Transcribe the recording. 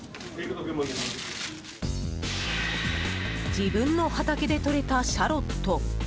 自分の畑でとれたシャロット。